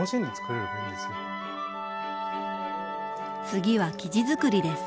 次は生地づくりです。